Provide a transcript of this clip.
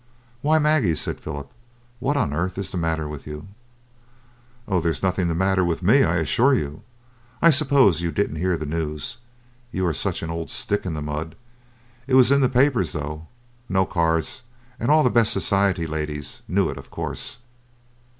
"Why, Maggie," said Philip, "what on earth is the matter with you?" "Oh, there's nothing the matter with me, I assure you. I suppose you didn't hear the news, you are such an old stick in the mud. It was in the papers, though no cards and all the best society ladies knew it of course."